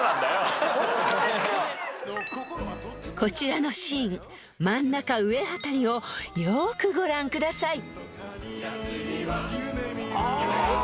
［こちらのシーン真ん中上辺りをよくご覧ください］